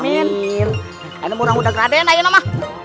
ini orang orang yang berada di sana